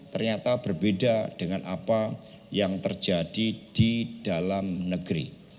ternyata berbeda dengan apa yang terjadi di dalam negeri